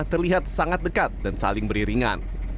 terlihat sangat dekat dan saling beriringan